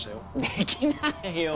できないよ！